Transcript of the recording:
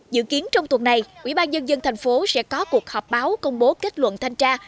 dự kiến trong tuần này ủy ban nhân dân thành phố sẽ có cuộc họp báo công bố kết luận thanh tra